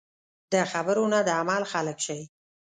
د خبرو نه د عمل خلک شئ .